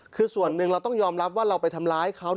คือส่วนหนึ่งเราต้องยอมรับว่าเราไปทำร้ายเขา